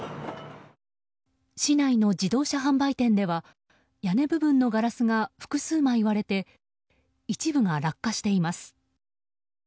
市内の自動車販売店では屋根部分のガラスが複数枚、割れて一部が落下しています。